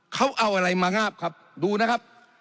เขาเอาอะไรมางาบครับดูนะครับ